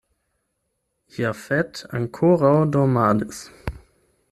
Jafet ankoraŭ dormadis.